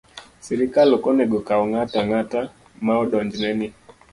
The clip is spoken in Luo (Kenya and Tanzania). Sirkal ok onego okaw ng'ato ang'ata ma odonjne ni